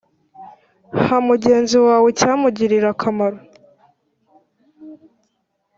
ha mugenzi wawe icyamugirira akamaro